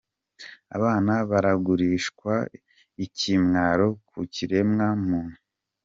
Abana baragurishwa? Ikimwaro ku kiremwa muntu.